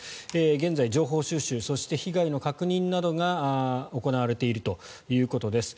現在、情報収集そして被害の確認などが行われているということです。